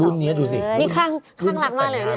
รุ่นนี้ดูสินี่ค่างค่างหลักมากเลย